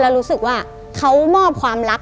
แล้วรู้สึกว่าเขามอบความรัก